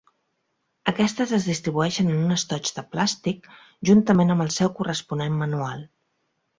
Aquestes es distribueixen en un estoig de plàstic juntament amb el seu corresponent manual.